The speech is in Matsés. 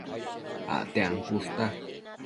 Acte ancushta